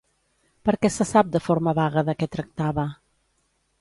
Per què se sap de forma vaga de què tractava?